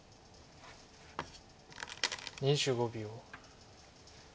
２５秒。